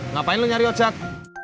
ngapain lu nyari ojak